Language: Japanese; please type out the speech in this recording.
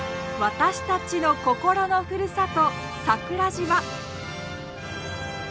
私たちの心のふるさと桜島。